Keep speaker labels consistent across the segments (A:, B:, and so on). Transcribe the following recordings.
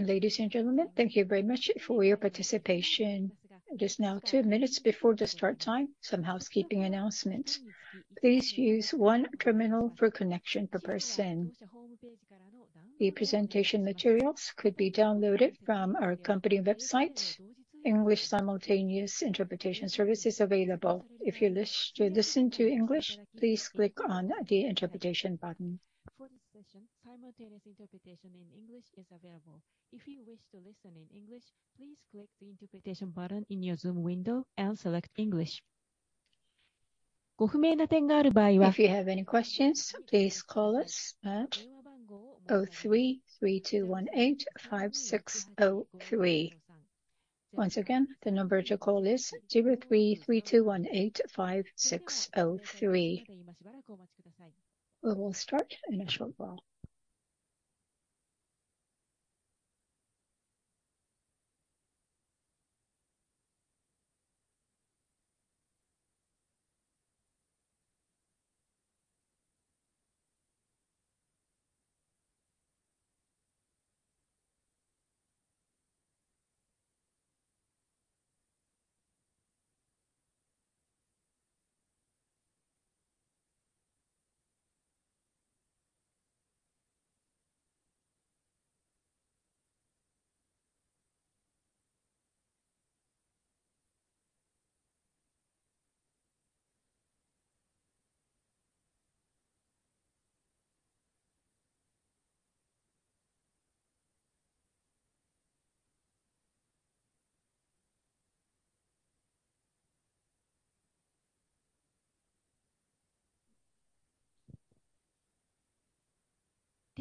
A: Ladies and gentlemen, thank you very much for your participation. It is now two minutes before the start time. Some housekeeping announcements. Please use one terminal for connection per person. The presentation materials could be downloaded from our company website. English simultaneous interpretation service is available. If you wish to listen to English, please click on the Interpretation button.
B: For this session, simultaneous interpretation in English is available. If you wish to listen in English, please click the Interpretation button in your Zoom window and select English.
A: If you have any questions, please call us at 03-3218-5603. Once again, the number to call is 03-3218-5603. We will start in a short while.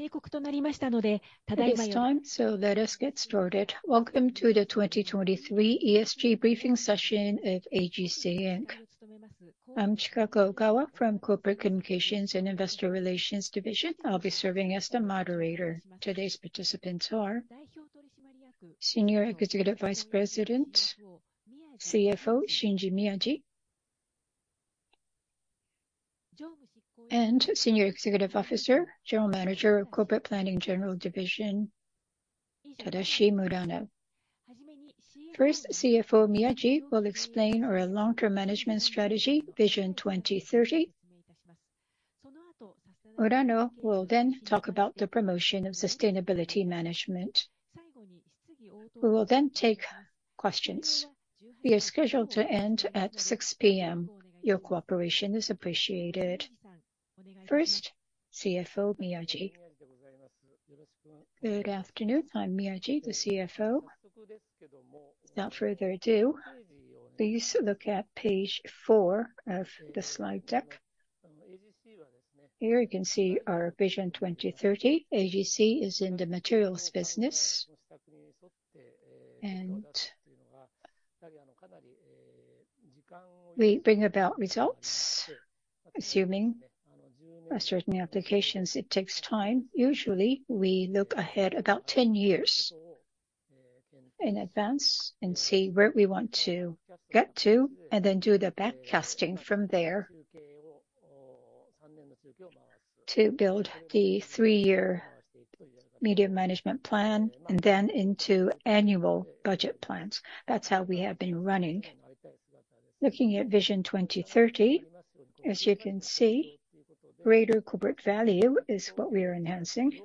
A: It is time, so let us get started. Welcome to the 2023 ESG briefing session at AGC Inc. I'm Chikako Ogawa from Corporate Communications and Investor Relations Division. I'll be serving as the moderator. Today's participants are Senior Executive Vice President, CFO Shinji Miyaji, and Senior Executive Officer, General Manager of Corporate Planning General Division, Tadashi Murano. First, CFO Miyaji will explain our long-term management strategy, Vision 2030. Murano will then talk about the promotion of sustainability management. We will then take questions. We are scheduled to end at 6 P.M. Your cooperation is appreciated. First, CFO Miyaji.
C: Good afternoon. I'm Miyaji, the CFO. Without further ado, please look at page 4 of the slide deck. Here you can see our Vision 2030. AGC is in the materials business, and we bring about results. Assuming for certain applications, it takes time. Usually, we look ahead about 10 years in advance and see where we want to get to, and then do the backcasting from there to build the 3-year medium management plan, and then into annual budget plans. That's how we have been running. Looking at Vision 2030, as you can see, greater corporate value is what we are enhancing,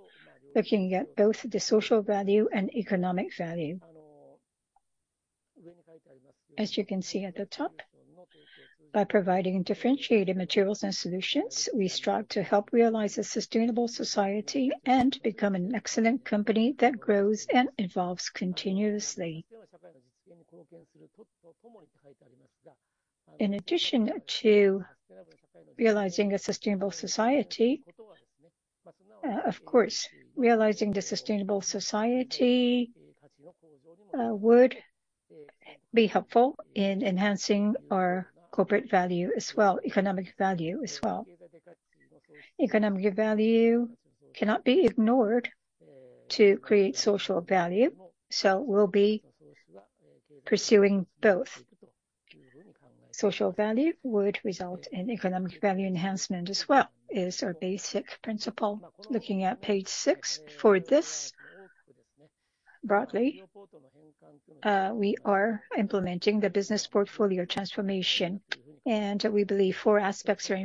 C: looking at both the social value and economic value. As you can see at the top, by providing differentiated materials and solutions, we strive to help realize a sustainable society and become an excellent company that grows and evolves continuously. In addition to realizing a sustainable society, of course, realizing the sustainable society would be helpful in enhancing our corporate value as well, economic value as well. Economic value cannot be ignored to create social value, so we'll be pursuing both. Social value would result in economic value enhancement as well, is our basic principle. Looking at page six, for this, broadly, we are implementing the business portfolio transformation, and we believe four aspects are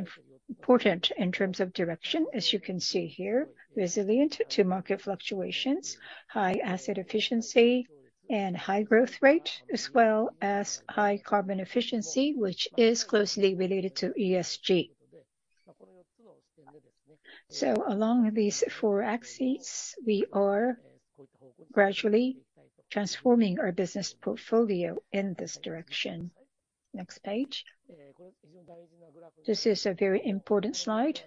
C: important in terms of direction. As you can see here, resilient to market fluctuations, high asset efficiency and high growth rate, as well as high carbon efficiency, which is closely related to ESG. So along these four axes, we are gradually transforming our business portfolio in this direction. Next page. This is a very important slide.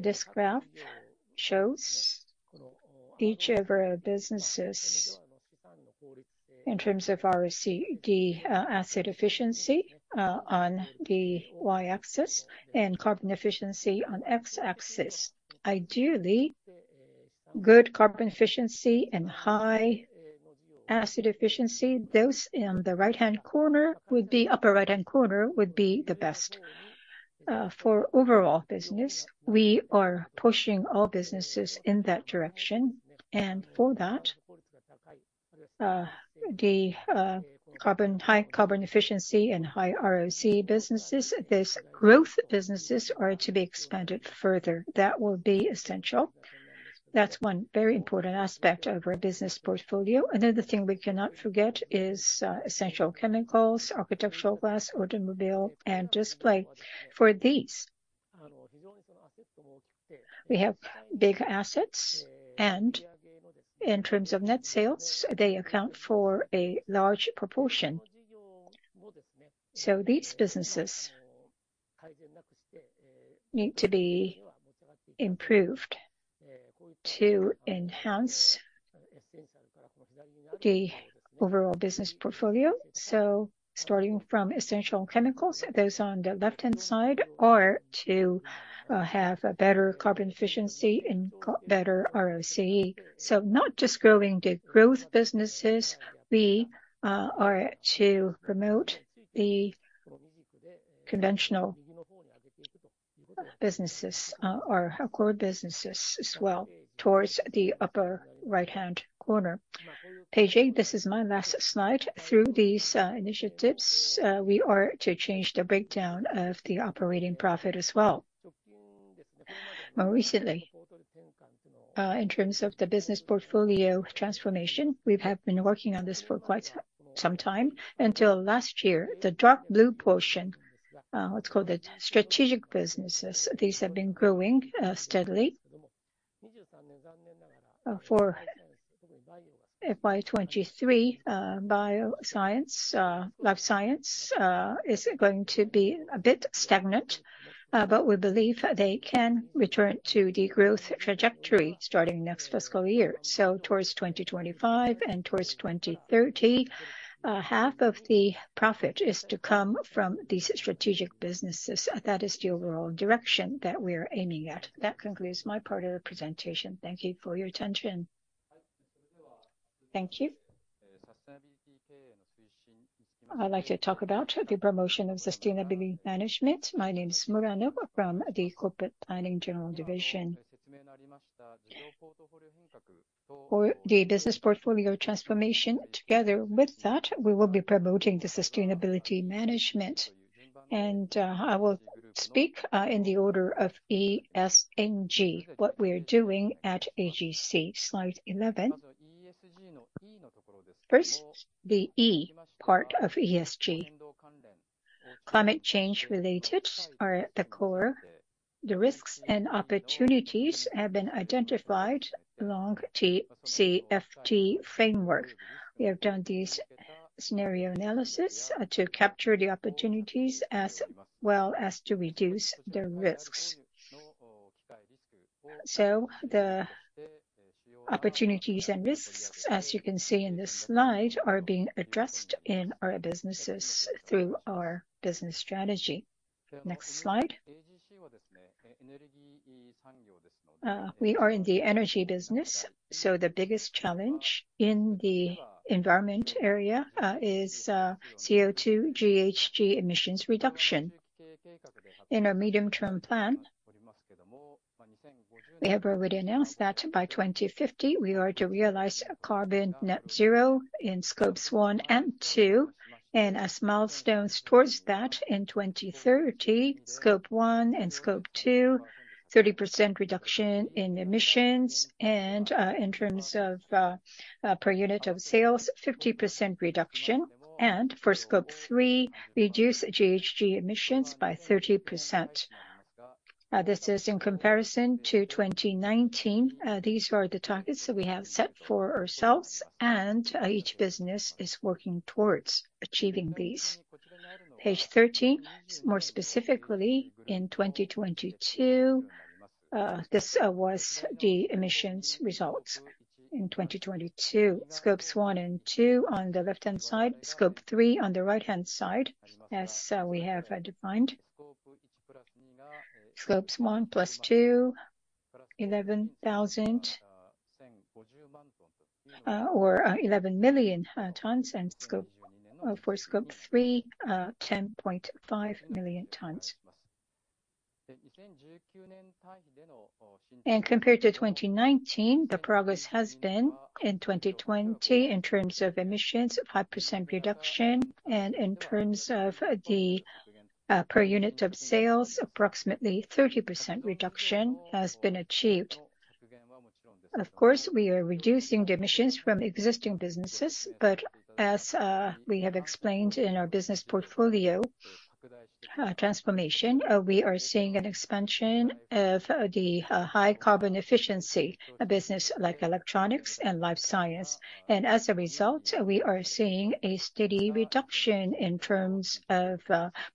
C: This graph shows each of our businesses in terms of our ROCE asset efficiency on the Y-axis and carbon efficiency on X-axis. Ideally, good carbon efficiency and high asset efficiency, those in the upper right-hand corner would be the best. For overall business, we are pushing all businesses in that direction, and for that, the high carbon efficiency and high ROCE businesses, these growth businesses are to be expanded further. That will be essential. That's one very important aspect of our business portfolio. Another thing we cannot forget is essential chemicals, architectural glass, automobile, and display. For these, we have big assets, and in terms of net sales, they account for a large proportion. So these businesses need to be improved to enhance the overall business portfolio. So starting from essential chemicals, those on the left-hand side are to have a better carbon efficiency and better ROCE. So not just growing the growth businesses, we are to promote the conventional businesses, or our core businesses as well, towards the upper right-hand corner. Page eight, this is my last slide. Through these initiatives, we are to change the breakdown of the operating profit as well. More recently, in terms of the business portfolio transformation, we have been working on this for quite some time. Until last year, the dark blue portion, let's call it strategic businesses, these have been growing steadily. For FY 2023, bioscience, life science, is going to be a bit stagnant, but we believe they can return to the growth trajectory starting next fiscal year, so towards 2025 and towards 2030. Half of the profit is to come from these strategic businesses. That is the overall direction that we are aiming at. That concludes my part of the presentation. Thank you for your attention.
D: Thank you. I'd like to talk about the promotion of sustainability management. My name is Murano from the Corporate Planning General Division. For the business portfolio transformation, together with that, we will be promoting the sustainability management. I will speak in the order of ESG, what we are doing at AGC. Slide 11. First, the E part of ESG. Climate change related are at the core. The risks and opportunities have been identified along TCFD framework. We have done these scenario analysis to capture the opportunities as well as to reduce the risks. So the opportunities and risks, as you can see in this slide, are being addressed in our businesses through our business strategy. Next slide. We are in the energy business, so the biggest challenge in the environment area is CO2 GHG emissions reduction. In our medium-term plan, we have already announced that by 2050, we are to realize carbon net zero in Scope 1 and 2, and as milestones towards that, in 2030, Scope 1 and Scope 2, 30% reduction in emissions, and in terms of per unit of sales, 50% reduction, and for Scope 3, reduce GHG emissions by 30%. This is in comparison to 2019. These are the targets that we have set for ourselves, and each business is working towards achieving these. Page 13. More specifically, in 2022, this was the emissions results in 2022. Scope 1 and 2 on the left-hand side, Scope 3 on the right-hand side, as we have defined. Scope 1 + 2, 11 million tons, and for Scope 3, 10.5 million tons. Compared to 2019, the progress has been in 2020 in terms of emissions, a 5% reduction, and in terms of the per unit of sales, approximately 30% reduction has been achieved. Of course, we are reducing the emissions from existing businesses, but as we have explained in our business portfolio transformation, we are seeing an expansion of the high carbon efficiency business like electronics and life science. And as a result, we are seeing a steady reduction in terms of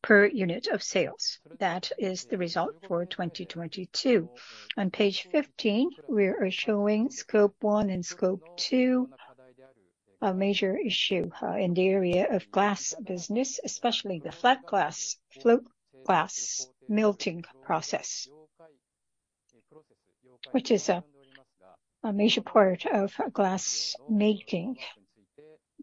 D: per unit of sales. That is the result for 2022. On page 15, we are showing Scope 1 and Scope 2, a major issue in the area of glass business, especially the flat glass, float glass melting process, which is a major part of glass making.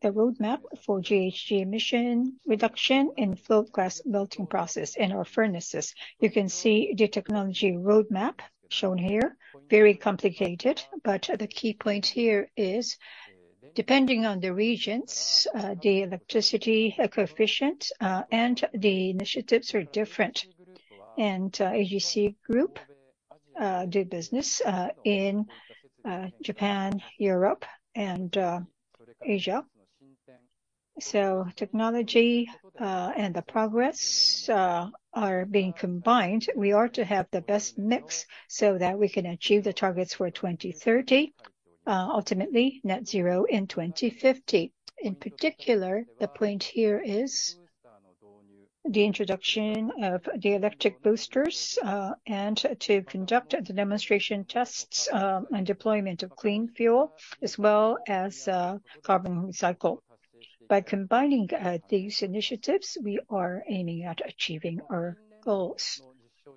D: The roadmap for GHG emission reduction in float glass melting process in our furnaces. You can see the technology roadmap shown here. Very complicated, but the key point here is, depending on the regions, the electricity coefficient and the initiatives are different. AGC Group does business in Japan, Europe, and Asia. So technology and the progress are being combined. We are to have the best mix so that we can achieve the targets for 2030, ultimately net zero in 2050. In particular, the point here is the introduction of the electric boosters and to conduct the demonstration tests and deployment of clean fuel, as well as carbon recycle. By combining these initiatives, we are aiming at achieving our goals.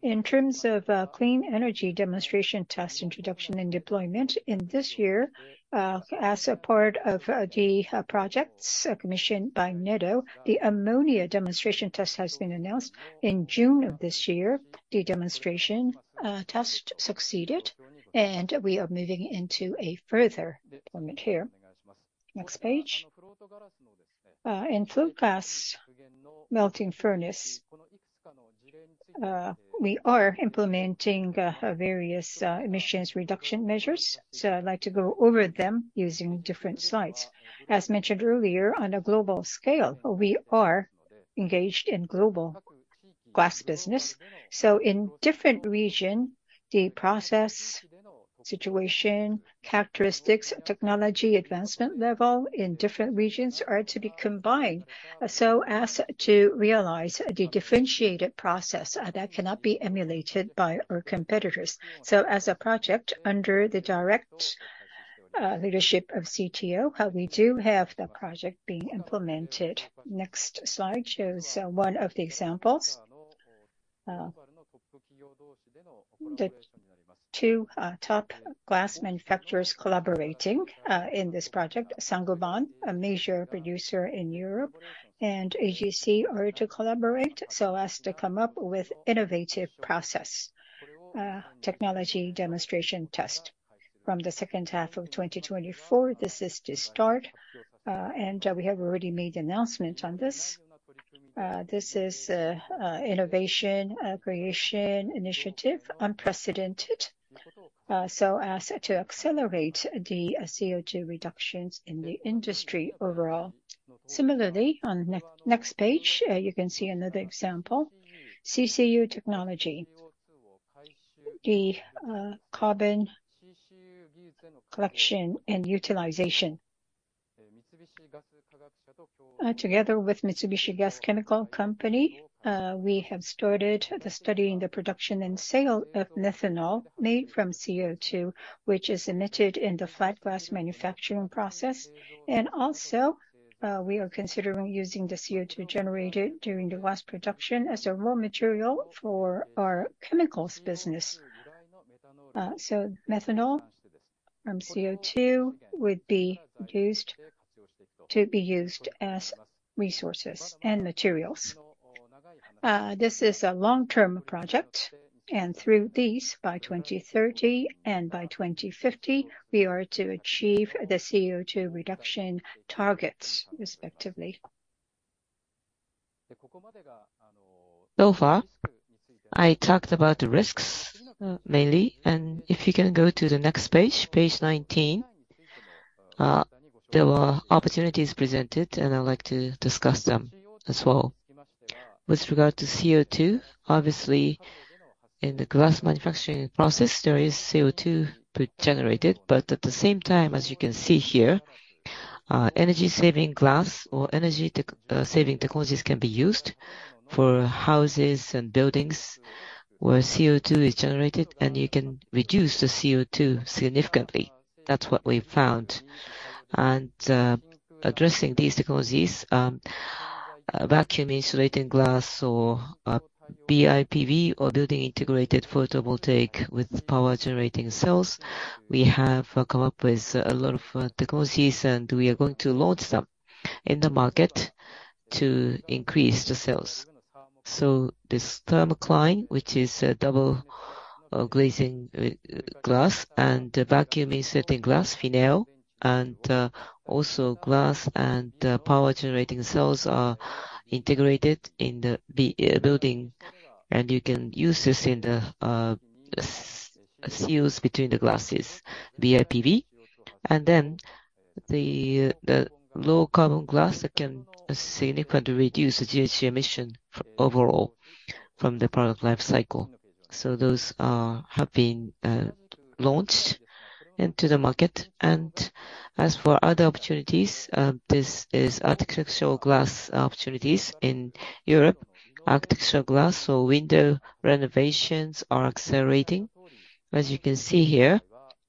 D: In terms of clean energy demonstration test introduction and deployment, in this year, as a part of the projects commissioned by NEDO, the ammonia demonstration test has been announced in June of this year. The demonstration test succeeded, and we are moving into a further deployment here. Next page. In float glass melting furnace, we are implementing various emissions reduction measures, so I'd like to go over them using different slides. As mentioned earlier, on a global scale, we are engaged in global glass business. So in different region, the process, situation, characteristics, technology advancement level in different regions are to be combined, so as to realize a differentiated process that cannot be emulated by our competitors. So as a project under the direct leadership of CTO, we do have the project being implemented. Next slide shows one of the examples. The two top glass manufacturers collaborating in this project, Saint-Gobain, a major producer in Europe, and AGC, are to collaborate so as to come up with innovative process technology demonstration test. From the second half of 2024, this is to start, and we have already made the announcement on this. This is, innovation, creation initiative, unprecedented, so as to accelerate the CO2 reductions in the industry overall. Similarly, on the next page, you can see another example, CCU technology. The carbon capture and utilization. Together with Mitsubishi Gas Chemical Company, we have started studying the production and sale of methanol made from CO2, which is emitted in the flat glass manufacturing process. And also, we are considering using the CO2 generated during the glass production as a raw material for our chemicals business. So methanol from CO2 would be used as resources and materials. This is a long-term project, and through these, by 2030 and by 2050, we are to achieve the CO2 reduction targets respectively. So far, I talked about the risks, mainly, and if you can go to the next page, page 19. There were opportunities presented, and I'd like to discuss them as well. With regard to CO2, obviously, in the glass manufacturing process, there is CO2 be generated, but at the same time, as you can see here, energy-saving glass or energy tech, saving technologies can be used for houses and buildings where CO2 is generated, and you can reduce the CO2 significantly. That's what we found. And, addressing these technologies, vacuum insulating glass or BIPV or Building-Integrated Photovoltaic with power-generating cells, we have come up with a lot of technologies, and we are going to launch them in the market to increase the sales. So this Thermocline, which is a double glazing with glass, and the vacuum insulating glass, Fineo, and also glass and power-generating cells are integrated in the building, and you can use this in the seals between the glasses, BIPV. And then the low carbon glass that can significantly reduce the GHG emission for overall from the product life cycle. So those have been launched into the market. And as for other opportunities, this is architectural glass opportunities in Europe. Architectural glass or window renovations are accelerating. As you can see here,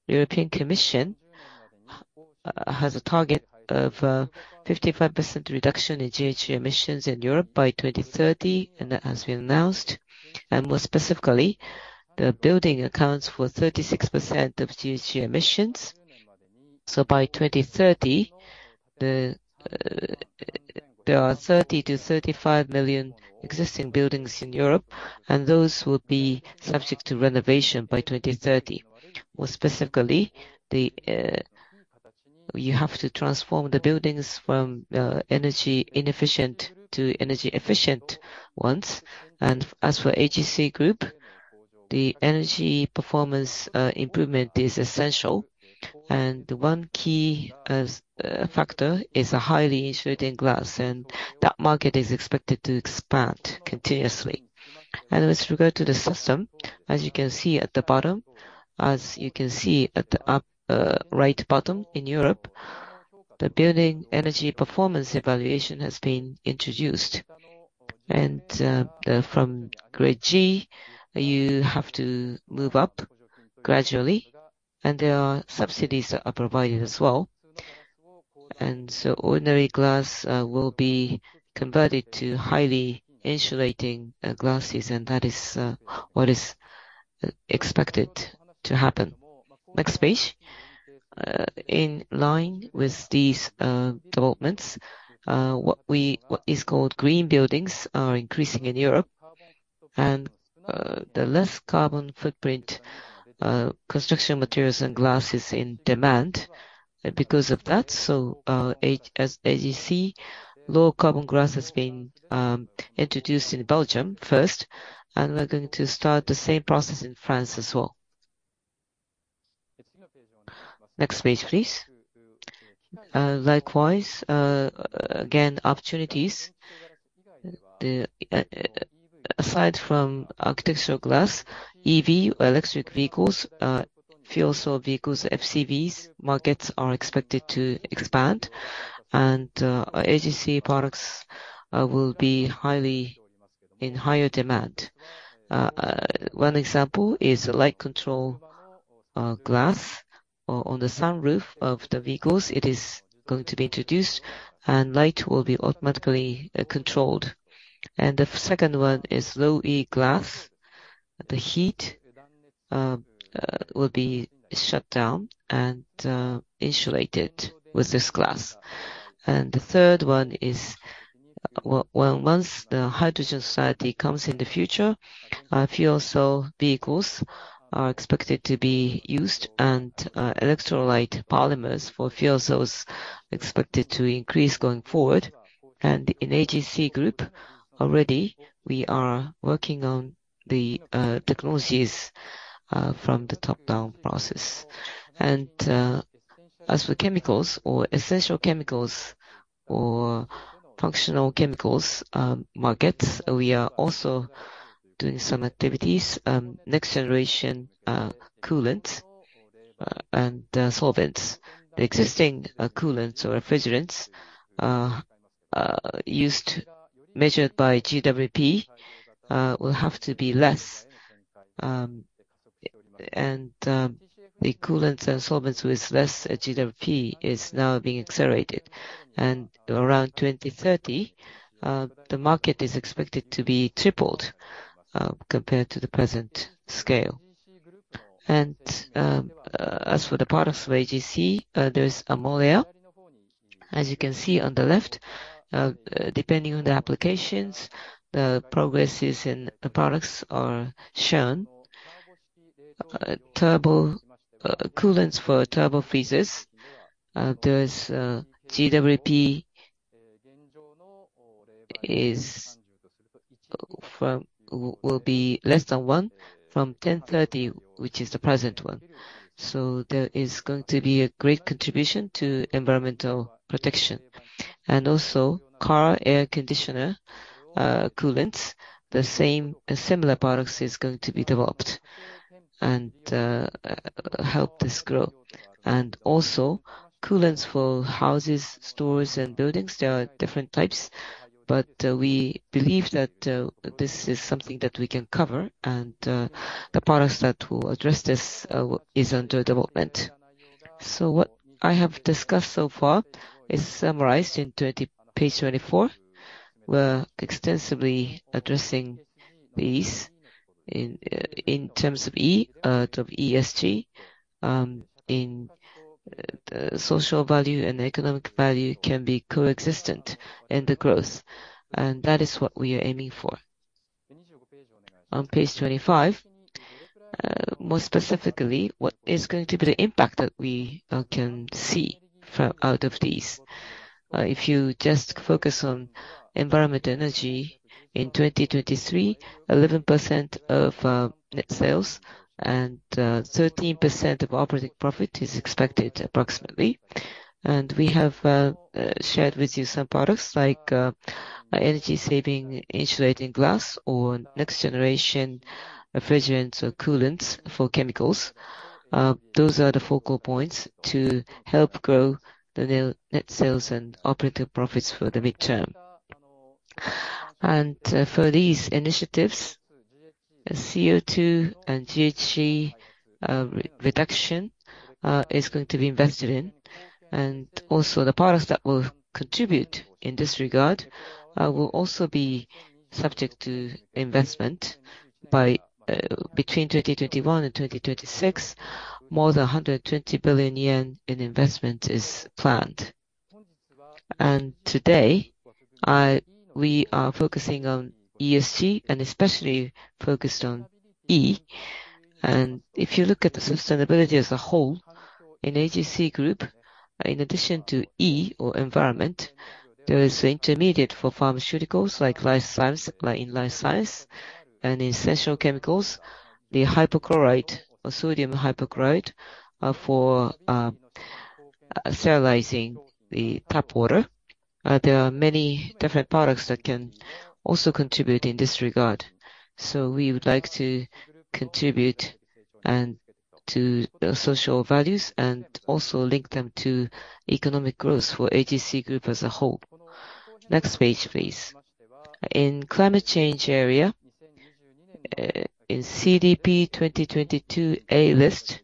D: European Commission has a target of 55% reduction in GHG emissions in Europe by 2030, and as we announced, and more specifically, the building accounts for 36% of GHG emissions. So by 2030, there are 30 million-35 million existing buildings in Europe, and those will be subject to renovation by 2030. More specifically, you have to transform the buildings from energy inefficient to energy efficient ones. As for AGC Group, the energy performance improvement is essential, and one key factor is a highly insulating glass, and that market is expected to expand continuously. With regard to the system, as you can see at the bottom, as you can see at the up right bottom, in Europe, the building energy performance evaluation has been introduced. From grade G, you have to move up gradually, and there are subsidies that are provided as well. So ordinary glass will be converted to highly insulating glasses, and that is what is expected to happen. Next page. In line with these developments, what is called green buildings are increasing in Europe, and the less carbon footprint construction materials and glass is in demand because of that. So, as AGC, low carbon glass has been introduced in Belgium first, and we're going to start the same process in France as well. Next page, please. Likewise, again, opportunities. The aside from architectural glass, EV, electric vehicles, fuel cell vehicles, FCVs markets are expected to expand, and AGC products will be highly in higher demand. One example is light control glass on the sunroof of the vehicles. It is going to be introduced, and light will be automatically controlled. And the second one is Low-E glass. The heat will be shut down and insulated with this glass. And the third one is. Well, once the hydrogen society comes in the future, fuel cell vehicles are expected to be used, and electrolyte polymers for fuel cells expected to increase going forward. And in AGC Group, already we are working on the technologies from the top-down process. And as for chemicals or essential chemicals or functional chemicals markets, we are also doing some activities. Next generation coolants and solvents. The existing coolants or refrigerants used, measured by GWP, will have to be less. And the coolants and solvents with less GWP is now being accelerated, and around 2030, the market is expected to be tripled compared to the present scale. As for the products of AGC, there's AMOLEA. As you can see on the left, depending on the applications, the progresses in the products are shown. Turbo coolants for turbo freezers, there's GWP will be less than one from 1,030, which is the present one. So there is going to be a great contribution to environmental protection. And also, car air conditioner coolants, the same similar products is going to be developed and help this grow. And also, coolants for houses, stores, and buildings, there are different types, but we believe that this is something that we can cover, and the products that will address this is under development. So what I have discussed so far is summarized in page 24. We're extensively addressing these in terms of ESG. Social value and economic value can be coexistent in the growth, and that is what we are aiming for. On page 25, more specifically, what is going to be the impact that we can see from out of these? If you just focus on environment energy, in 2023, 11% of net sales and 13% of operating profit is expected approximately. And we have shared with you some products like energy-saving insulating glass or next-generation refrigerants or coolants for chemicals. Those are the focal points to help grow the net sales and operating profits for the midterm. For these initiatives, CO2 and GHG reduction is going to be invested in, and also the products that will contribute in this regard will also be subject to investment by between 2021 and 2026. More than 120 billion yen in investment is planned. Today, we are focusing on ESG and especially focused on E. If you look at the sustainability as a whole, in AGC Group, in addition to E or Environment, there is intermediates for pharmaceuticals like life science, like in life science and essential chemicals, the hypochlorite or sodium hypochlorite for sterilizing the tap water. There are many different products that can also contribute in this regard. So we would like to contribute and to social values and also link them to economic growth for AGC Group as a whole. Next page, please. In climate change area, in CDP 2022 A list,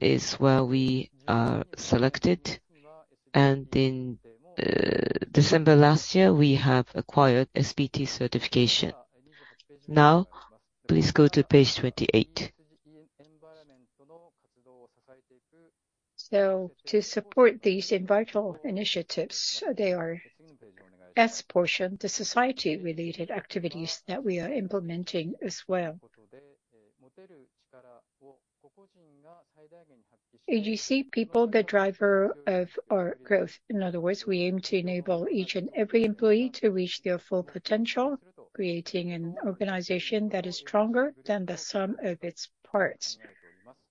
D: is where we are selected, and in December last year, we have acquired SBT certification. Now, please go to page 28. So to support these environmental initiatives, there's the S portion, the Society-related activities that we are implementing as well. AGC People, the driver of our growth. In other words, we aim to enable each and every employee to reach their full potential, creating an organization that is stronger than the sum of its parts,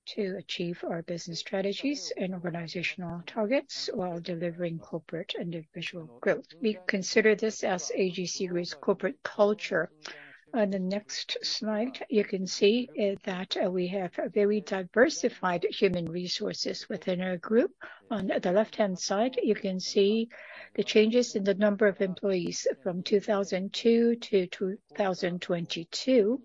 D: to achieve our business strategies and organizational targets while delivering corporate and individual growth. We consider this as AGC's corporate culture. On the next slide, you can see that we have a very diversified human resources within our group. On the left-hand side, you can see the changes in the number of employees from 2002 to 2022.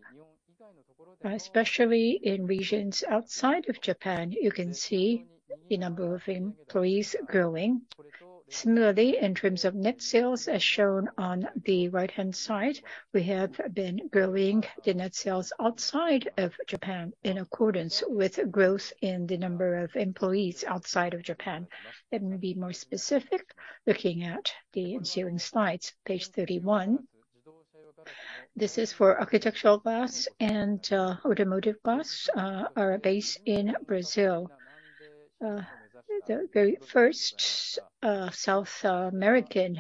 D: Especially in regions outside of Japan, you can see the number of employees growing. Similarly, in terms of net sales, as shown on the right-hand side, we have been growing the net sales outside of Japan in accordance with growth in the number of employees outside of Japan. Let me be more specific, looking at the ensuing slides. Page 31. This is for architectural glass and automotive glass, our base in Brazil. The very first South American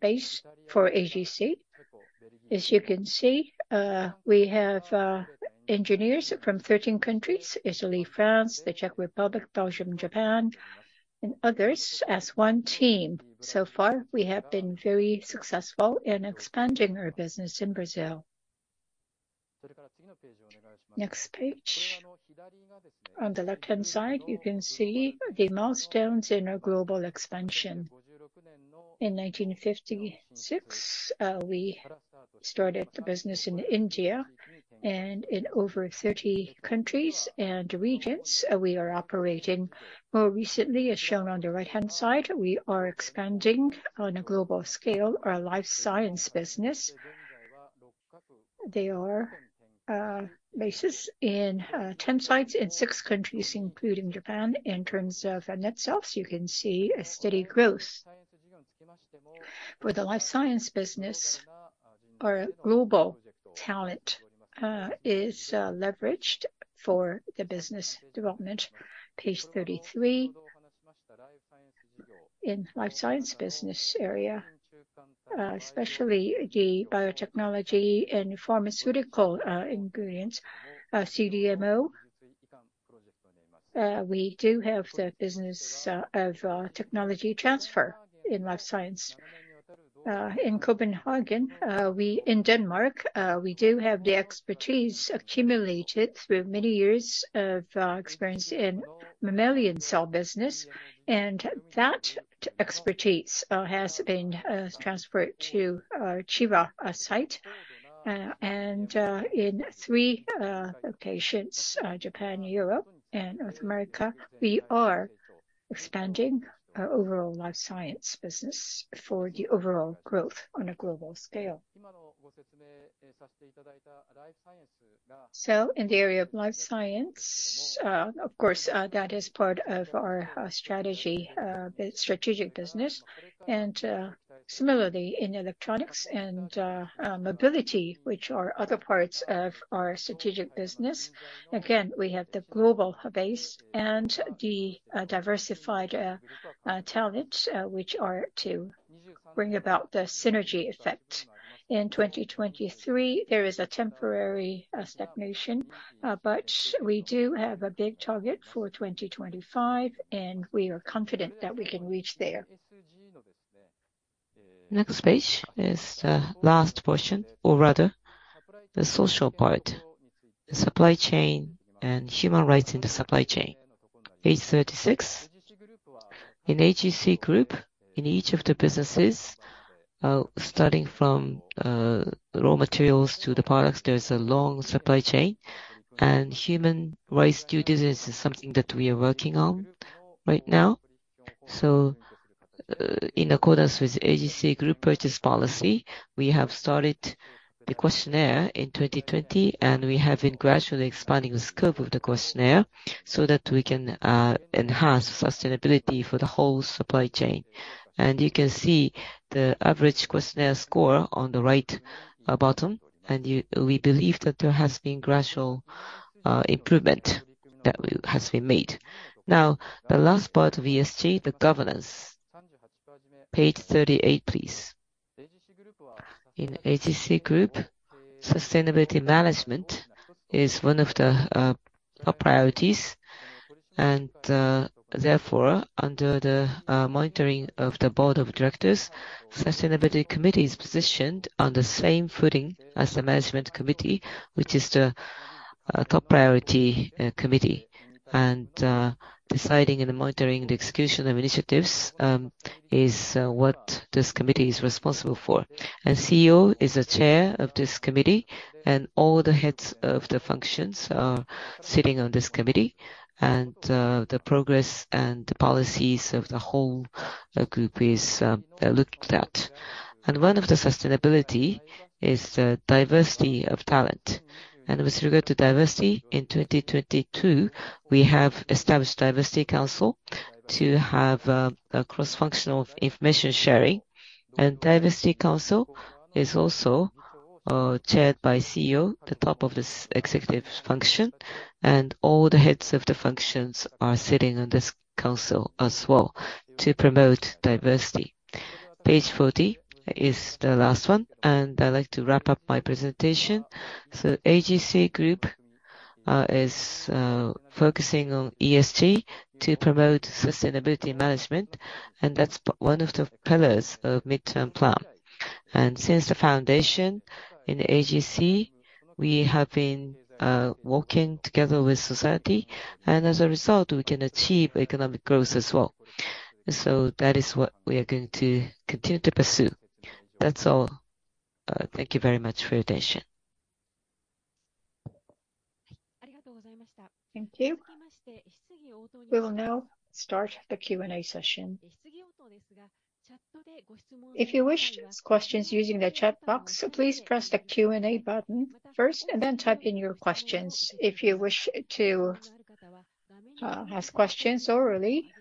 D: base for AGC. As you can see, we have engineers from 13 countries, Italy, France, the Czech Republic, Belgium, Japan, and others, as one team. So far, we have been very successful in expanding our business in Brazil. Next page. On the left-hand side, you can see the milestones in our global expansion. In 1956, we started the business in India and in over 30 countries and regions, we are operating. More recently, as shown on the right-hand side, we are expanding on a global scale our life science business. They are bases in 10 sites in 6 countries, including Japan. In terms of net sales, you can see a steady growth. For the life science business, our global talent is leveraged for the business development. Page 33. In life science business area, especially the biotechnology and pharmaceutical ingredients, CDMO, we do have the business of technology transfer in life science. In Copenhagen, we in Denmark, we do have the expertise accumulated through many years of experience in mammalian cell business, and that expertise has been transferred to our Chiba site. In three locations, Japan, Europe, and North America, we are expanding our overall life science business for the overall growth on a global scale. In the area of life science, of course, that is part of our strategy, strategic business, and similarly in electronics and mobility, which are other parts of our strategic business. Again, we have the global base and the diversified talent, which are to bring about the synergy effect. In 2023, there is a temporary stagnation, but we do have a big target for 2025, and we are confident that we can reach there. Next page is the last portion, or rather, the social part, the supply chain and human rights in the supply chain. Page 36. In AGC Group, in each of the businesses, starting from raw materials to the products, there is a long supply chain, and human rights duties is something that we are working on right now. So, in accordance with AGC Group purchase policy, we have started the questionnaire in 2020, and we have been gradually expanding the scope of the questionnaire so that we can enhance sustainability for the whole supply chain. And you can see the average questionnaire score on the right bottom, and we believe that there has been gradual improvement that we has been made. Now, the last part of ESG, the governance. Page 38, please. In AGC Group, sustainability management is one of the top priorities, and therefore, under the monitoring of the Board of Directors, Sustainability Committee is positioned on the same footing as the Management Committee, which is the top priority committee. And deciding and monitoring the execution of initiatives is what this committee is responsible for. And CEO is the chair of this committee, and all the heads of the functions are sitting on this committee, and the progress and the policies of the whole group is looked at. And one of the sustainability is the diversity of talent. And with regard to diversity, in 2022, we have established Diversity Council to have a cross-functional information sharing. Diversity Council is also, chaired by CEO, the top of this executive function, and all the heads of the functions are sitting on this council as well to promote diversity. Page 40 is the last one, and I'd like to wrap up my presentation. So AGC Group, is, focusing on ESG to promote sustainability management, and that's one of the pillars of midterm plan. And since the foundation in AGC, we have been, working together with society, and as a result, we can achieve economic growth as well. So that is what we are going to continue to pursue. That's all. Thank you very much for your attention.
A: Thank you. We will now start the Q&A session. If you wish to ask questions using the chat box, please press the Q&A button first, and then type in your questions. If you wish to ask questions orally,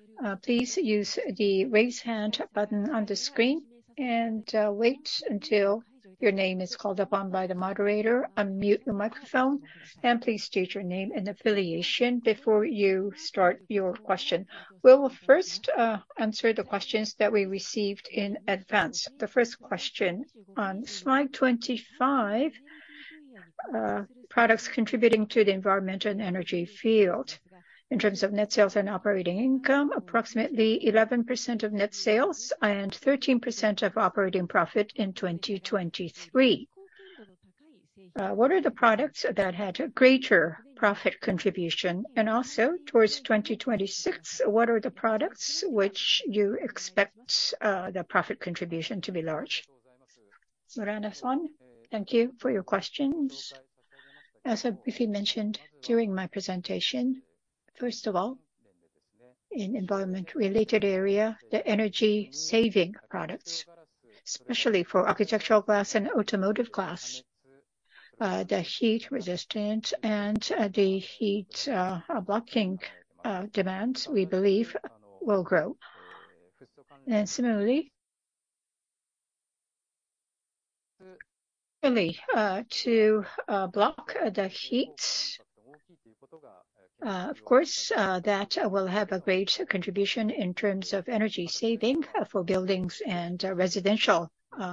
A: please use the Raise Hand button on the screen and wait until your name is called upon by the moderator. Unmute your microphone, and please state your name and affiliation before you start your question. We will first answer the questions that we received in advance. The first question, on slide 25, products contributing to the environment and energy field. In terms of net sales and operating income, approximately 11% of net sales and 13% of operating profit in 2023. What are the products that had a greater profit contribution? And also, towards 2026, what are the products which you expect the profit contribution to be large? Murano-san, thank you for your questions.
D: As I briefly mentioned during my presentation, first of all, in environment-related area, the energy saving products, especially for architectural glass and automotive glass, the heat resistant and the heat blocking demands, we believe will grow. And similarly, really to block the heat, of course, that will have a great contribution in terms of energy saving for buildings and residential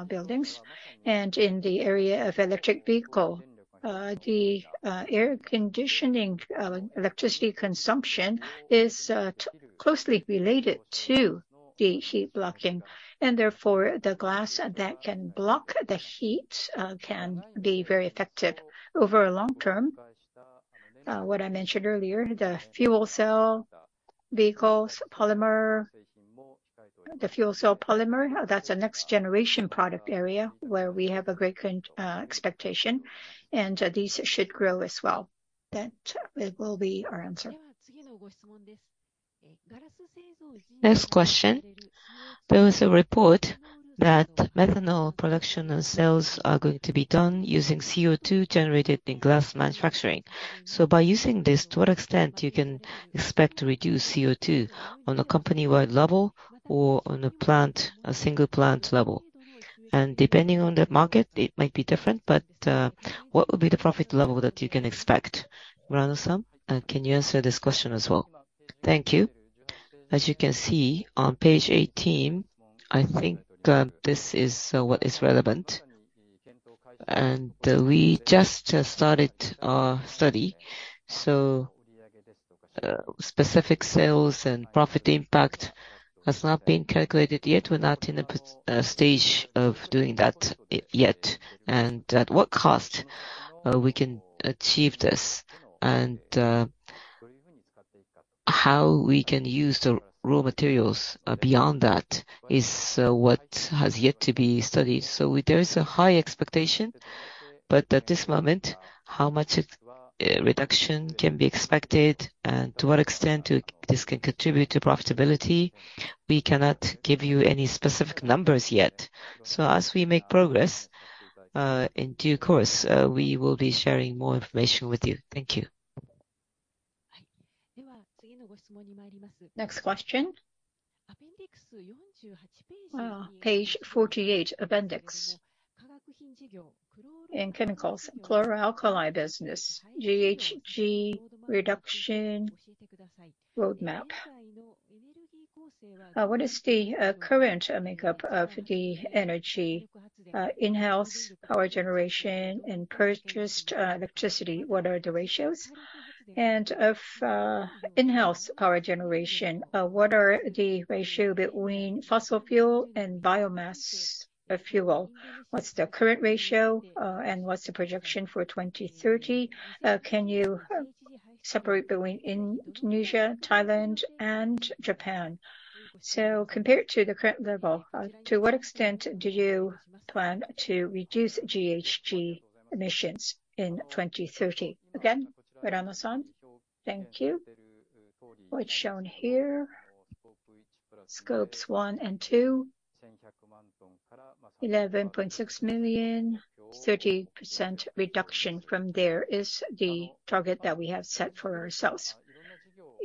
D: buildings. And in the area of electric vehicle, the air conditioning electricity consumption is closely related to the heat blocking, and therefore, the glass that can block the heat can be very effective over a long term. What I mentioned earlier, the fuel cell vehicles, polymer, the fuel cell polymer, that's a next generation product area where we have a great expectation, and these should grow as well. That will be our answer.
A: Next question. There was a report that methanol production and sales are going to be done using CO2 generated in glass manufacturing. So by using this, to what extent you can expect to reduce CO2 on a company-wide level or on a plant, a single plant level? And depending on the market, it might be different, but, what would be the profit level that you can expect? Murano-san, can you answer this question as well? Thank you.
D: As you can see on page 18, I think, this is what is relevant. And, we just started our study, so, specific sales and profit impact has not been calculated yet. We're not in a stage of doing that yet. And at what cost we can achieve this? How we can use the raw materials beyond that is what has yet to be studied. So there is a high expectation, but at this moment, how much reduction can be expected and to what extent this can contribute to profitability, we cannot give you any specific numbers yet. So as we make progress, in due course, we will be sharing more information with you. Thank you.
A: Next question. Page 48, appendix. In chemicals, chlor-alkali business, GHG reduction roadmap. What is the current makeup of the energy, in-house power generation and purchased electricity? What are the ratios? And of in-house power generation, what are the ratio between fossil fuel and biomass of fuel? What's the current ratio, and what's the projection for 2030? Can you separate between Indonesia, Thailand, and Japan? So compared to the current level, to what extent do you plan to reduce GHG emissions in 2030? Again, Murano-san. Thank you.
D: What's shown here, Scopes 1 and 2, 11.6 million, 30% reduction from there is the target that we have set for ourselves.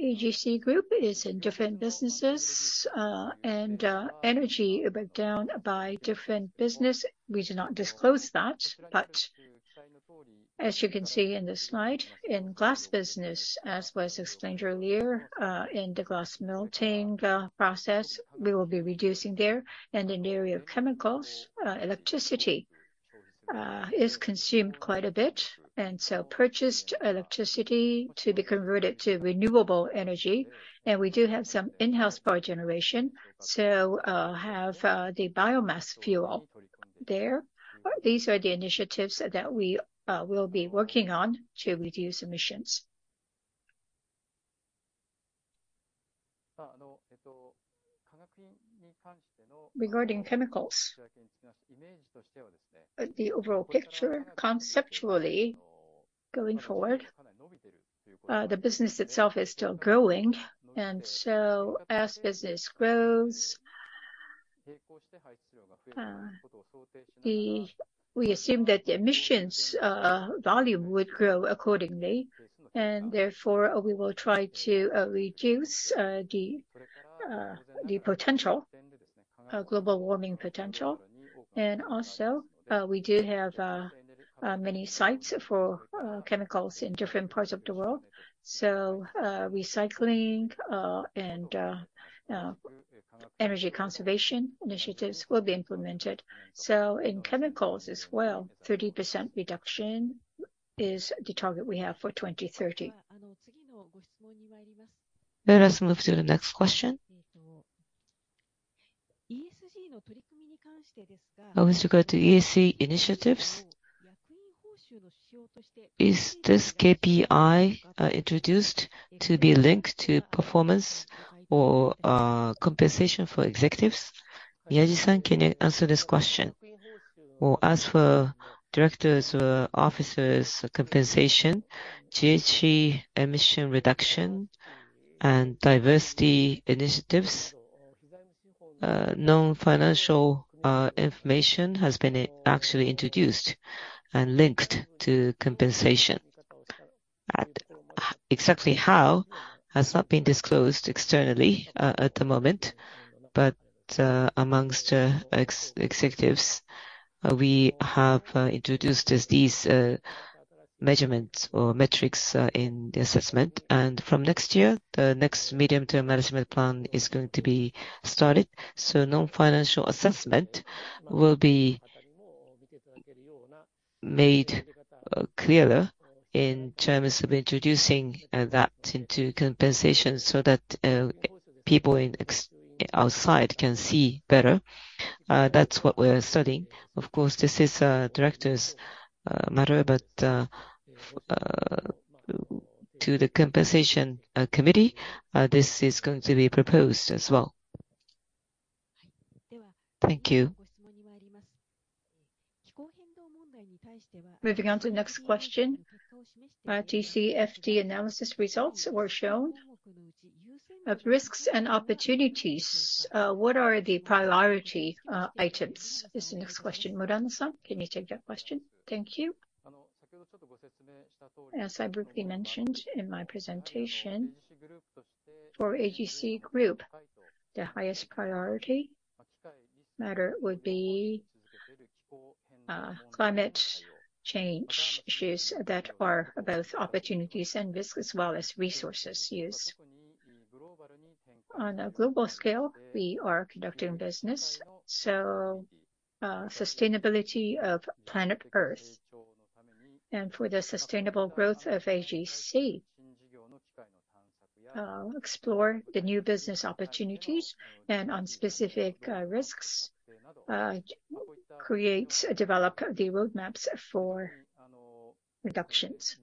D: AGC Group is in different businesses, and energy breakdown by different business, we do not disclose that. But as you can see in this slide, in glass business, as was explained earlier, in the glass melting process, we will be reducing there. In the area of chemicals, electricity is consumed quite a bit, and so purchased electricity to be converted to renewable energy. We do have some in-house power generation, so have the biomass fuel there. These are the initiatives that we will be working on to reduce emissions. Regarding chemicals, the overall picture, conceptually going forward, the business itself is still growing, and so as business grows, we assume that the emissions volume would grow accordingly, and therefore, we will try to reduce the potential global warming potential. Also, we do have many sites for chemicals in different parts of the world, so recycling and energy conservation initiatives will be implemented. So in chemicals as well, 30% reduction is the target we have for 2030.
A: Let us move to the next question. With regard to ESG initiatives, is this KPI introduced to be linked to performance or compensation for executives? Miyaji-san, can you answer this question?
C: Well, as for directors or officers' compensation, GHG emission reduction and diversity initiatives, non-financial information has been actually introduced and linked to compensation. Exactly how has not been disclosed externally at the moment, but amongst executives, we have introduced these measurements or metrics in the assessment. From next year, the next medium-term management plan is going to be started. So non-financial assessment will be made clearer in terms of introducing that into compensation so that people outside can see better. That's what we are studying. Of course, this is a director's matter, but to the compensation committee, this is going to be proposed as well.
A: Thank you. Moving on to the next question. TCFD analysis results were shown. Of risks and opportunities, what are the priority items? Is the next question. Murano-san, can you take that question? Thank you.
D: As I briefly mentioned in my presentation, for AGC Group, the highest priority matter would be climate change issues that are both opportunities and risks, as well as resources used. On a global scale, we are conducting business, so sustainability of planet Earth and for the sustainable growth of AGC, explore the new business opportunities, and on specific risks, create, develop the roadmaps for reductions.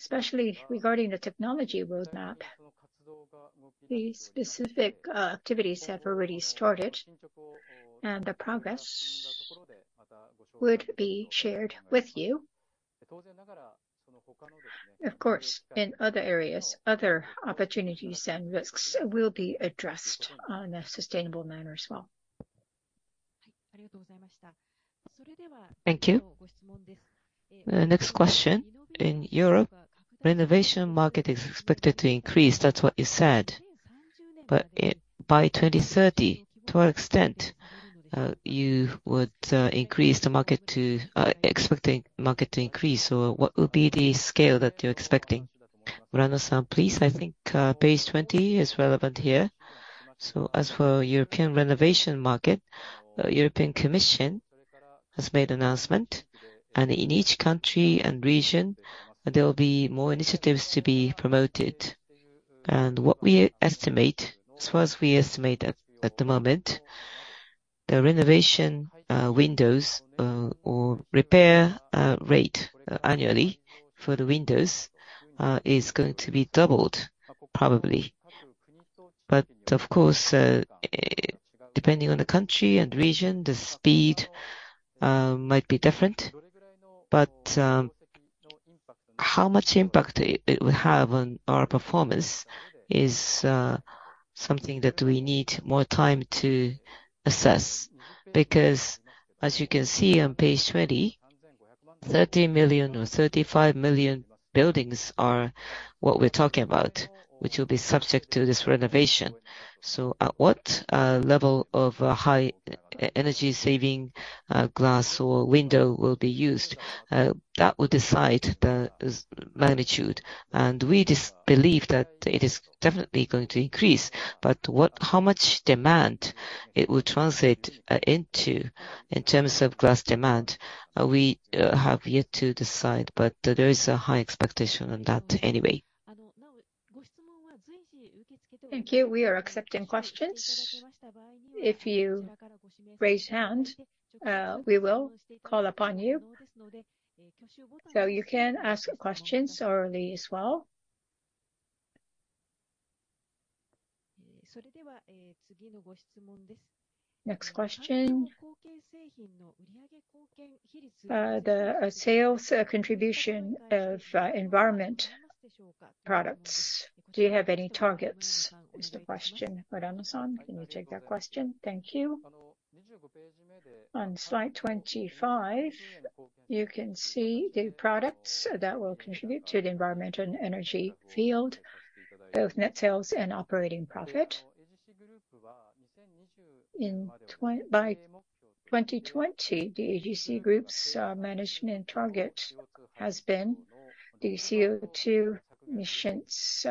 D: Especially regarding the technology roadmap, the specific activities have already started, and the progress would be shared with you. Of course, in other areas, other opportunities and risks will be addressed on a sustainable manner as well.
A: Thank you. The next question, in Europe, renovation market is expected to increase, that's what you said. But it, by 2030, to what extent, you would increase the market to, expect the market to increase, or what would be the scale that you're expecting? Murano-san, please.
D: I think, page 20 is relevant here. So as for European renovation market, the European Commission has made announcement, and in each country and region, there will be more initiatives to be promoted. And what we estimate, as far as we estimate at the moment, the renovation windows or repair rate annually for the windows is going to be doubled, probably. But of course, depending on the country and region, the speed might be different. How much impact it will have on our performance is something that we need more time to assess. Because as you can see on page 20, 30 million or 35 million buildings are what we're talking about, which will be subject to this renovation. So at what level of high energy saving glass or window will be used? That will decide the magnitude, and we do believe that it is definitely going to increase. But how much demand it will translate into in terms of glass demand we have yet to decide, but there is a high expectation on that anyway.
A: Thank you. We are accepting questions. If you raise hand, we will call upon you. So you can ask questions orally as well. Next question. The sales contribution of environment products, do you have any targets? Is the question. Murano-san, can you take that question? Thank you.
D: On slide 25, you can see the products that will contribute to the environment and energy field, both net sales and operating profit. By 2020, the AGC group's management target has been the CO2 emissions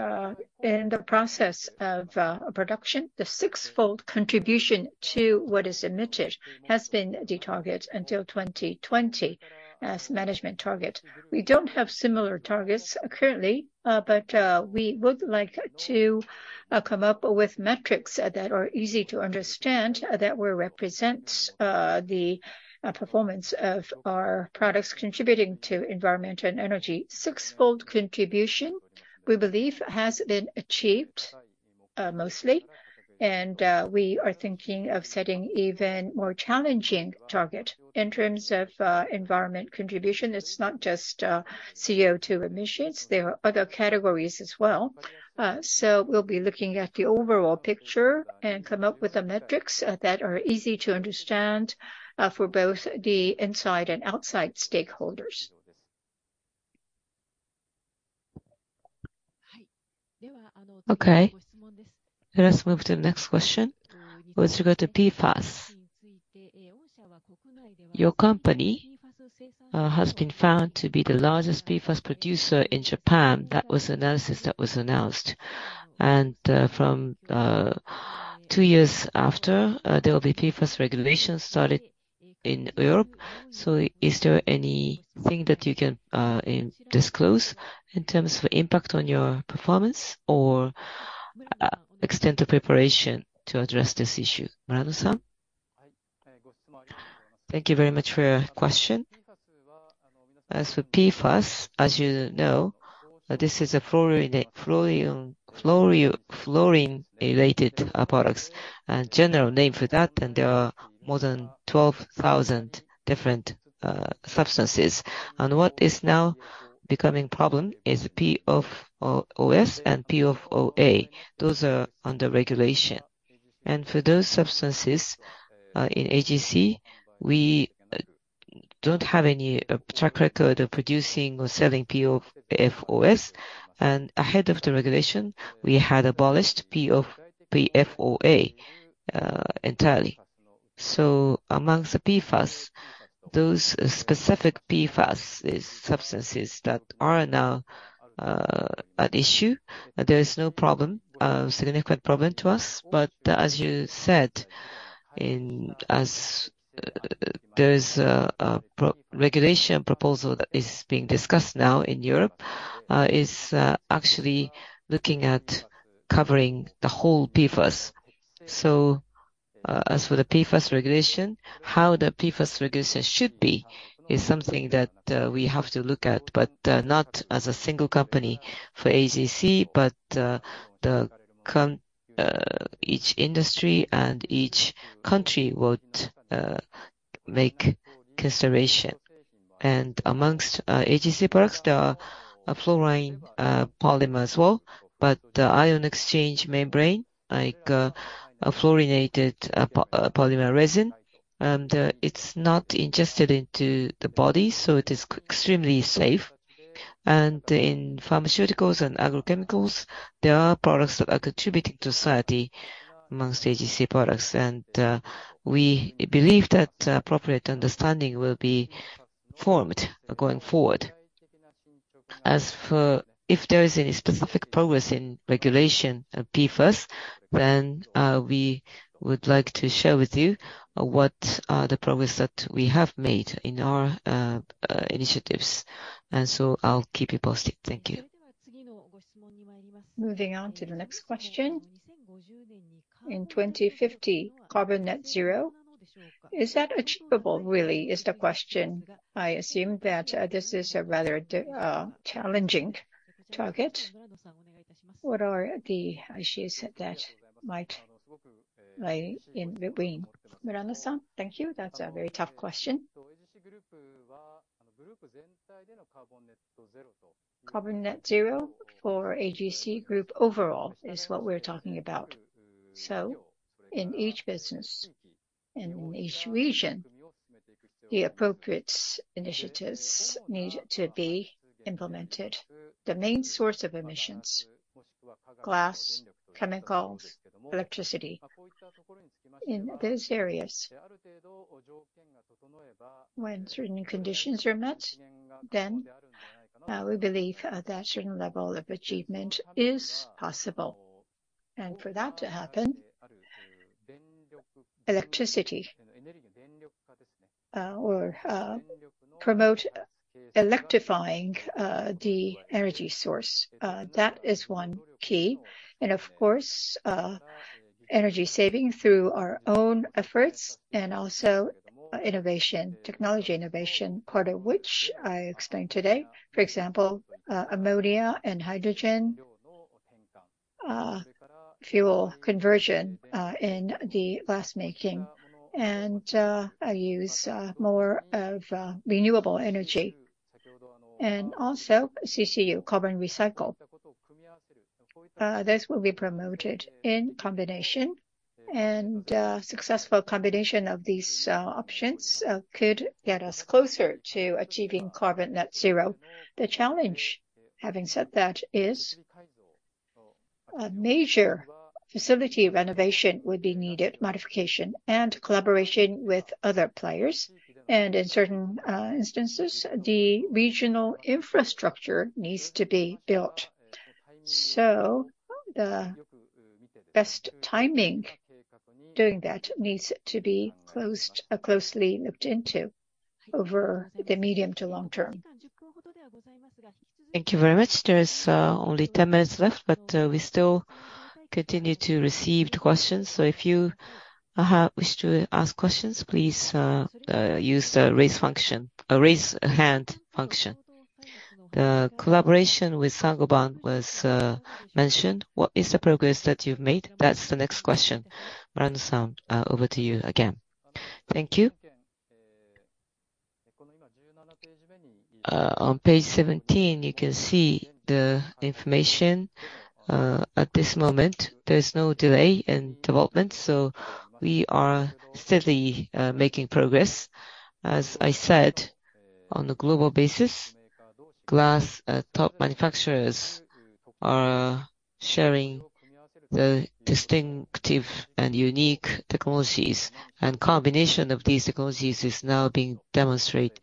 D: in the process of production. The sixfold contribution to what is emitted has been the target until 2020 as management target. We don't have similar targets currently, but we would like to come up with metrics that are easy to understand, that will represent the performance of our products contributing to environment and energy. Sixfold contribution, we believe, has been achieved, mostly, and we are thinking of setting even more challenging target. In terms of environment contribution, it's not just CO2 emissions, there are other categories as well. So we'll be looking at the overall picture and come up with the metrics that are easy to understand for both the inside and outside stakeholders.
A: Okay, let's move to the next question. With regard to PFAS, your company has been found to be the largest PFAS producer in Japan. That was the analysis that was announced. And from two years after, there will be PFAS regulations started in Europe. So is there anything that you can disclose in terms of impact on your performance or extent of preparation to address this issue? Murano-san?
D: Thank you very much for your question. As for PFAS, as you know, this is a fluorine-related products, and general name for that, and there are more than 12,000 different substances. And what is now becoming problem is PFOS and PFOA. Those are under regulation. And for those substances, in AGC, we don't have any track record of producing or selling PFOS, and ahead of the regulation, we had abolished PFOA entirely. So amongst the PFAS, those specific PFAS is substances that are now at issue. There is no significant problem to us. But as you said, there is a regulation proposal that is being discussed now in Europe actually looking at covering the whole PFAS. So as for the PFAS regulation, how the PFAS regulation should be is something that we have to look at, but not as a single company for AGC, but each industry and each country would make consideration. And amongst AGC products, there are a fluorine polymer as well, but the ion exchange membrane, like, a fluorinated polymer resin, and it's not ingested into the body, so it is extremely safe. And in pharmaceuticals and agrochemicals, there are products that are contributing to society amongst AGC products, and we believe that appropriate understanding will be formed going forward. As for if there is any specific progress in regulation of PFAS, then we would like to share with you what are the progress that we have made in our initiatives, and so I'll keep you posted. Thank you.
A: Moving on to the next question. In 2050, carbon net zero, is that achievable really, is the question? I assume that this is a rather challenging target. What are the issues that might lie in between? Murano-san. Thank you.
D: That's a very tough question. Carbon net zero for AGC group overall is what we're talking about. So in each business and in each region, the appropriate initiatives need to be implemented. The main source of emissions: glass, chemicals, electricity. In those areas, when certain conditions are met, then we believe that certain level of achievement is possible. And for that to happen, electricity or promote electrifying the energy source, that is one key. And of course, energy saving through our own efforts and also innovation, technology innovation, part of which I explained today. For example, ammonia and hydrogen fuel conversion in the glass making, and use more of renewable energy. Also, CCU, carbon recycle. This will be promoted in combination, and successful combination of these options could get us closer to achieving carbon net zero. The challenge, having said that, is a major facility renovation would be needed, modification, and collaboration with other players, and in certain instances, the regional infrastructure needs to be built. So the best timing doing that needs to be closely looked into over the medium to long term.
A: Thank you very much. There is only 10 minutes left, but we still continue to receive the questions. So if you wish to ask questions, please use the raise hand function. The collaboration with Saint-Gobain was mentioned. What is the progress that you've made? That's the next question. Murano-san, over to you again.
D: Thank you. On page 17, you can see the information. At this moment, there's no delay in development, so we are steadily making progress. As I said, on a global basis, glass top manufacturers are sharing the distinctive and unique technologies, and combination of these technologies is now being demonstrated,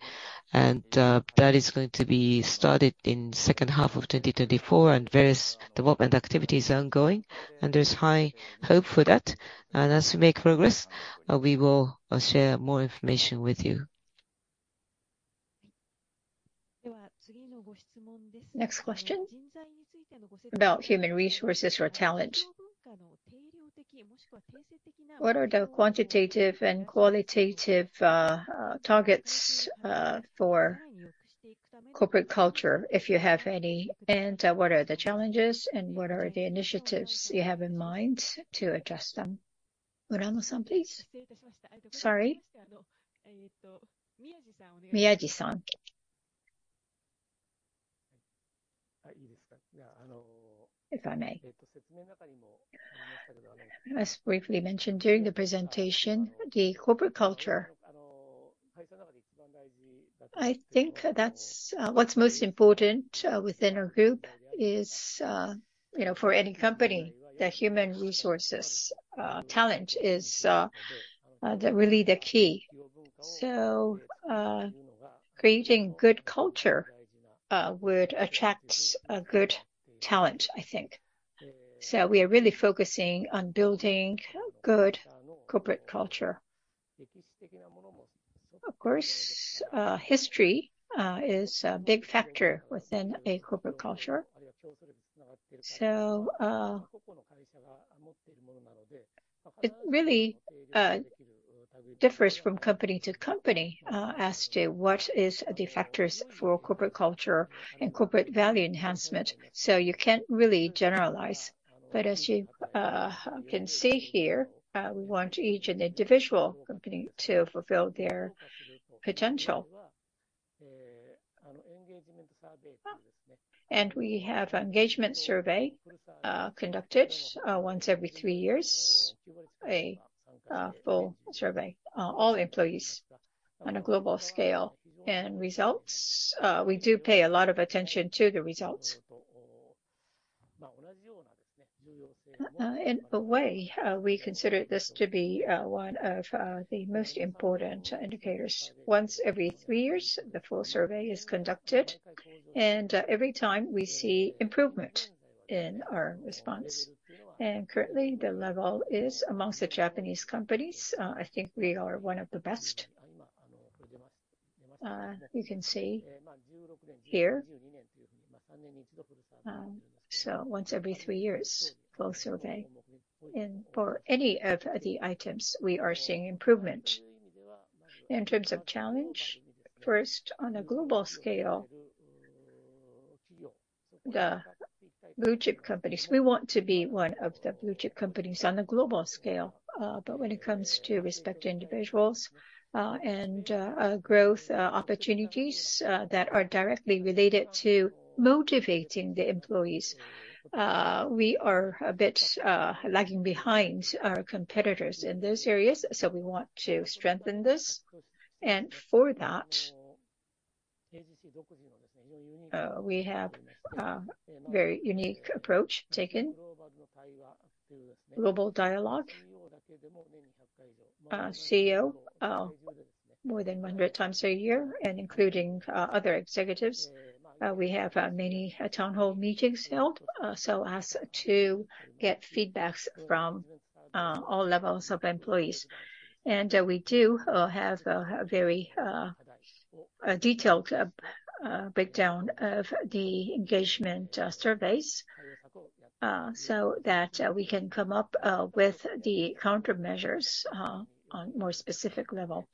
D: and that is going to be started in second half of 2024, and various development activities are ongoing, and there's high hope for that. And as we make progress, we will share more information with you.
A: Next question about human resources or talent. What are the quantitative and qualitative targets for corporate culture, if you have any? And what are the challenges, and what are the initiatives you have in mind to address them? Murano-san, please. Sorry. Miyaji-san.
C: If I may. As briefly mentioned during the presentation, the corporate culture, I think that's what's most important within our group is, you know, for any company, the human resources talent is really the key. So, creating good culture would attract a good talent, I think. So we are really focusing on building good corporate culture. Of course, history is a big factor within a corporate culture. So, it really differs from company to company as to what is the factors for corporate culture and corporate value enhancement, so you can't really generalize. But as you can see here, we want each and individual company to fulfill their potential. And we have engagement survey conducted once every three years, a full survey all employees on a global scale. Results, we do pay a lot of attention to the results. In a way, we consider this to be one of the most important indicators. Once every three years, the full survey is conducted, and every time we see improvement in our response. And currently, the level is among the Japanese companies, I think we are one of the best. You can see here. So once every three years, full survey. And for any of the items, we are seeing improvement. In terms of challenge, first, on a global scale, the blue-chip companies, we want to be one of the blue-chip companies on a global scale. But when it comes to respecting individuals and growth opportunities that are directly related to motivating the employees, we are a bit lagging behind our competitors in those areas, so we want to strengthen this. And for that, we have a very unique approach taken. Global Dialogue CEO more than 100x a year, and including other executives. We have many town hall meetings held so as to get feedbacks from all levels of employees. And we do have a very detailed breakdown of the engagement surveys so that we can come up with the countermeasures on more specific level.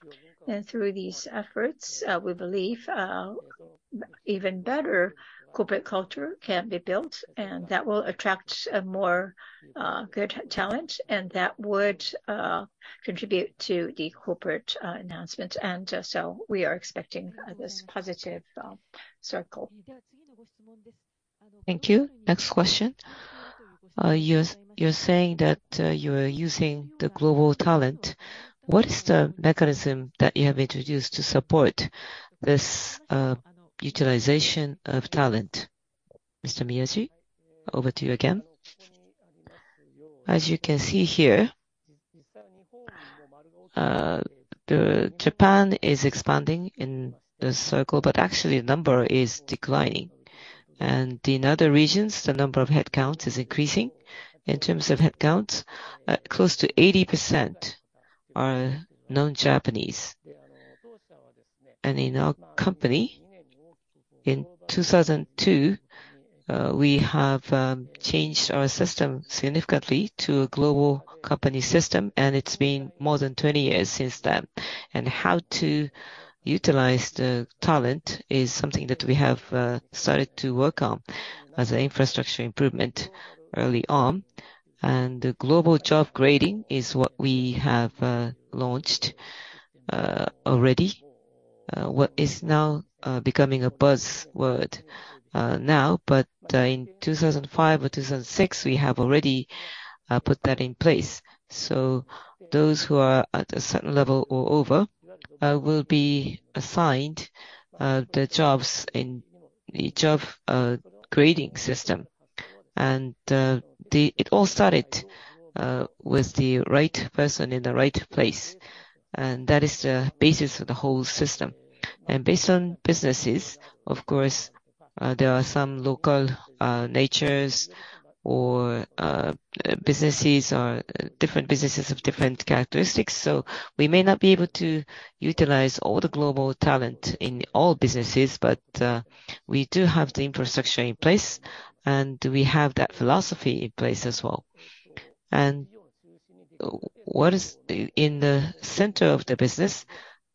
C: Through these efforts, we believe even better corporate culture can be built, and that will attract a more good talent, and that would contribute to the corporate enhancement. So we are expecting this positive circle.
A: Thank you. Next question. You're saying that you're using the global talent. What is the mechanism that you have introduced to support this utilization of talent? Mr. Miyaji, over to you again.
C: As you can see here, Japan is expanding in the circle, but actually the number is declining. And in other regions, the number of headcounts is increasing. In terms of headcounts, close to 80% are non-Japanese. And in our company, in 2002, we have changed our system significantly to a global company system, and it's been more than 20 years since then. And how to utilize the talent is something that we have started to work on as an infrastructure improvement early on. And the global job grading is what we have launched already. What is now becoming a buzzword now, but in 2005 or 2006, we have already put that in place. So those who are at a certain level or over will be assigned the jobs in the job grading system. And it all started with the right person in the right place, and that is the basis of the whole system. And based on businesses, of course, there are some local natures or businesses or different businesses of different characteristics. So we may not be able to utilize all the global talent in all businesses, but we do have the infrastructure in place, and we have that philosophy in place as well. And what is in the center of the business,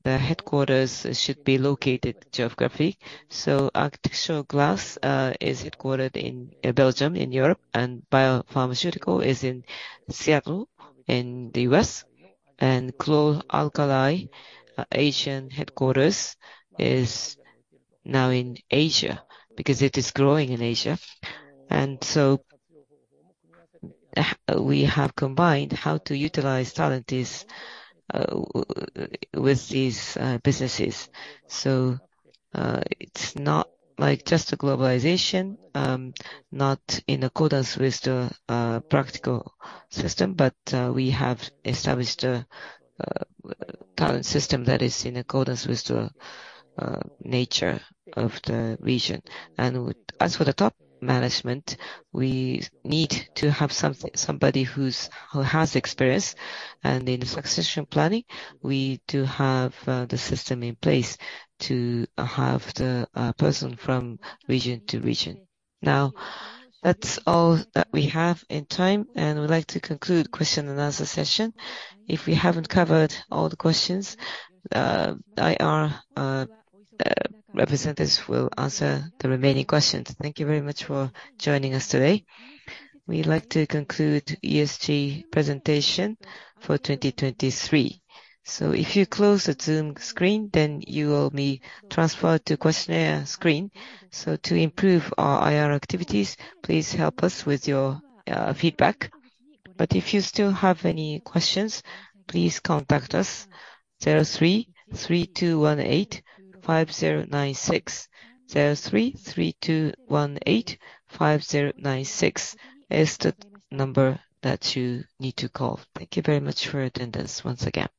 C: the headquarters should be located geographically. So Architectural Glass is headquartered in Belgium, in Europe, and Biopharmaceutical is in Seattle, in the U.S., and chlor-alkali Asian headquarters is now in Asia, because it is growing in Asia. And so, we have combined how to utilize talent is, with these, businesses. So, it's not like just a globalization, not in accordance with the, practical system, but, we have established a, talent system that is in accordance with the, nature of the region. And as for the top management, we need to have something, somebody who's, who has experience, and in the succession planning, we do have, the system in place to have the, person from region to region.
A: Now, that's all that we have in time, and I'd like to conclude question and answer session. If we haven't covered all the questions, IR representatives will answer the remaining questions. Thank you very much for joining us today. We'd like to conclude ESG presentation for 2023. So if you close the Zoom screen, then you will be transferred to questionnaire screen. So to improve our IR activities, please help us with your feedback. But if you still have any questions, please contact us. 03-3218-5096. 03-3218-5096 is the number that you need to call. Thank you very much for your attendance once again.